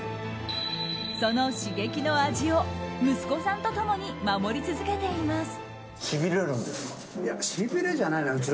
その刺激の味を息子さんと共に守り続けています。